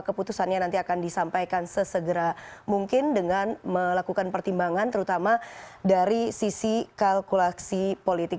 keputusannya nanti akan disampaikan sesegera mungkin dengan melakukan pertimbangan terutama dari sisi kalkulasi politik